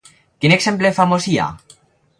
Quin exemple famós hi ha?